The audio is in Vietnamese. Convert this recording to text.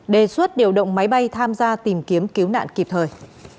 đề xuất điều động máy bay tham gia tìm kiếm cứu nạn kịp thời